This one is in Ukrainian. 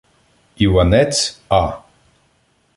Іванець А.